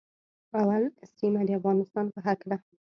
اول سیمه د افغانستان په هکله